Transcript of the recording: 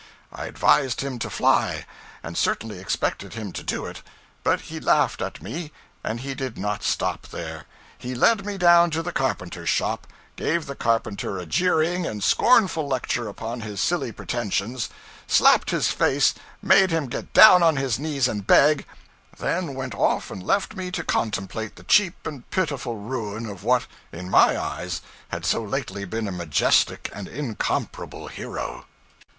I advised him to 'fly,' and certainly expected him to do it. But he laughed at me; and he did not stop there; he led me down to the carpenter's shop, gave the carpenter a jeering and scornful lecture upon his silly pretensions, slapped his face, made him get down on his knees and beg then went off and left me to contemplate the cheap and pitiful ruin of what, in my eyes, had so lately been a majestic and incomparable hero.